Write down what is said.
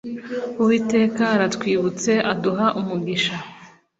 uwiteka aratwibutse azaduha umugisha